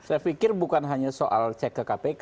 saya pikir bukan hanya soal cek ke kpk